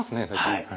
はい。